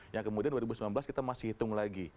yang kemudian dua ribu sembilan belas kita masih hitung lagi